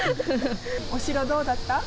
お城どうだった？